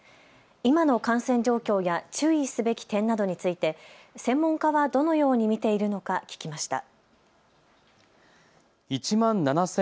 今の感染状況や注意すべき点などについて専門家はどのように見ているのか聞きました。